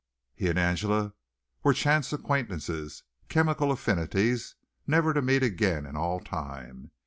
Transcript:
He and Angela were chance acquaintances chemical affinities never to meet again in all time.